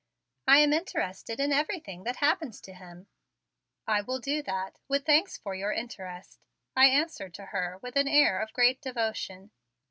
"I am interested in everything that happens to him." "I will do that, with thanks for your interest," I answered to her with an air of great devotion.